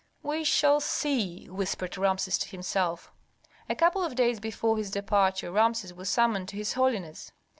"We shall see," whispered Rameses to himself. A couple of days before his departure Rameses was summoned to his holiness.